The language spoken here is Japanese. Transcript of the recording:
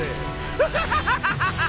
ハハハハ！